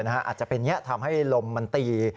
อาจจะเป็นนี้ทำให้ลมมันตี